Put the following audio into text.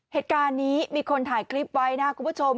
เหตุการณ์นี้มีคนถ่ายคลิปไว้นะครับคุณผู้ชม